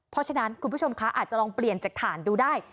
เพราะฉะนั้นคุณผู้ชมคะอาจจะลองเปลี่ยนจากฐานดูได้